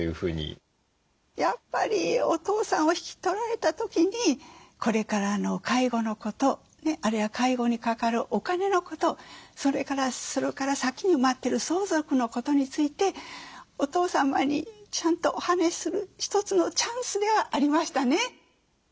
やっぱりお父さんを引き取られた時にこれからの介護のことあるいは介護にかかるお金のことそれから先に待ってる相続のことについてお父様にちゃんとお話しする一つのチャンスではありましたね。